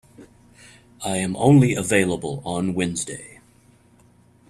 I am only available on Wednesday.